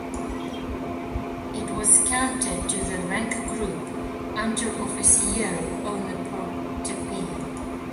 It was counted to the rank-group Unteroffiziere ohne Portepee.